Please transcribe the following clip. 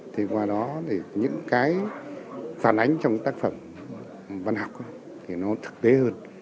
thì qua đó những cái phản ánh trong tác phẩm văn học thì nó thực tế hơn